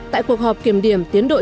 tại cuộc họp kiểm điểm tiến đội